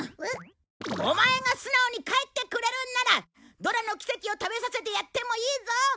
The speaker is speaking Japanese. オマエが素直に帰ってくれるんならどらの奇跡を食べさせてやってもいいぞ。